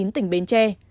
tỉnh bến tre